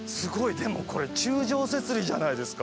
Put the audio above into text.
でもこれ柱状節理じゃないですか！